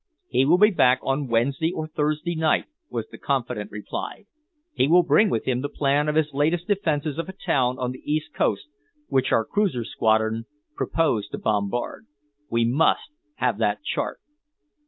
"He will be back on Wednesday or Thursday night," was the confident reply. "He will bring with him the plan of his latest defenses of a town on the east coast, which our cruiser squadron purpose to bombard. We must have that chart."